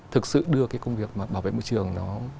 thực sự đưa cái công việc mà bảo vệ môi trường nó